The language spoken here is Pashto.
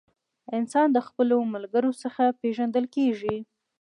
انسان د خپلو ملګرو څخه پیژندل کیږي.